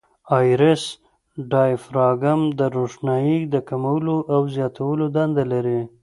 آیرس ډایفراګم د روښنایي د کمولو او زیاتولو دنده لري.